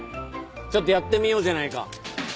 ちょっとやってみようじゃないか。